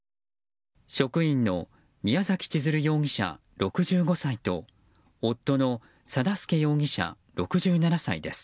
職員の宮崎千鶴容疑者、６５歳と夫の定助容疑者、６７歳です。